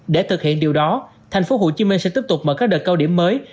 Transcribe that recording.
để thực hiện điều đó tp hcm sẽ tiếp tục mở các đợt cao điểm mới